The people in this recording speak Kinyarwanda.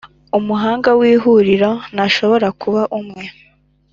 umuhanga w Ihuriro ntashobora kuba umwe